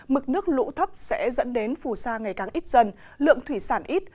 mực nước lũ thấp sẽ dẫn đến phù sa ngày càng ít dần lượng thủy sản ít